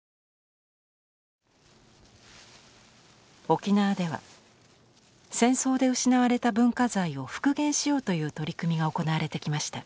沖縄では戦争で失われた文化財を復元しようという取り組みが行われてきました。